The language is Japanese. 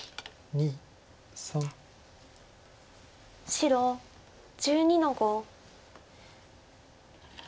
白１２の五。